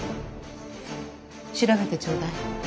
調べてちょうだい。